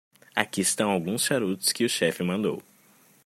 Aqui estão alguns charutos que o chefe mandou.